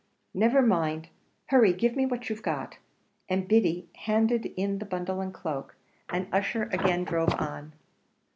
"Never mind hurry give me what you've got!" And Biddy handed in the bundle and cloak, and Ussher again drove on.